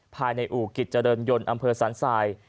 ภายในอู่กิจเจริญยนต์อำเภอสันทราย